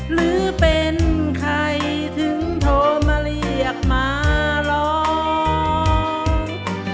หรือเป็นใครถึงโทรมาเรียกมาร้อง